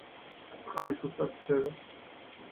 წყალი სუსტად თბება.